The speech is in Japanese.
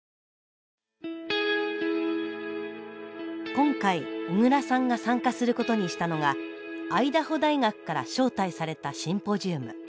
今回小倉さんが参加することにしたのがアイダホ大学から招待されたシンポジウム。